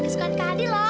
disukai kak adil loh